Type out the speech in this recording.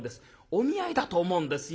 お見合いだと思うんですよ。